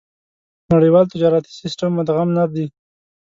نړيوال تجارتي سېسټم مدغم نه دي.